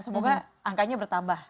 semoga angkanya bertambah